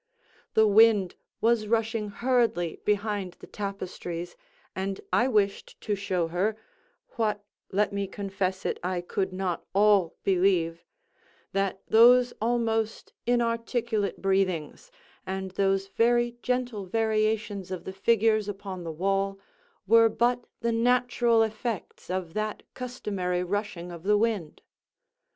The wind was rushing hurriedly behind the tapestries, and I wished to show her (what, let me confess it, I could not all believe) that those almost inarticulate breathings, and those very gentle variations of the figures upon the wall, were but the natural effects of that customary rushing of the wind.